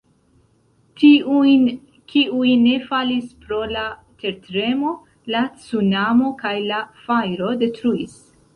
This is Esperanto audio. Tiujn, kiuj ne falis pro la tertremo, la cunamo kaj la fajro detruis.